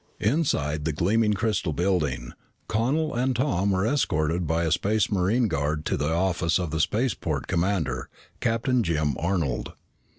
Inside the gleaming crystal building, Connel and Tom were escorted by a Space Marine guard to the office of the spaceport commander, Captain Jim Arnold.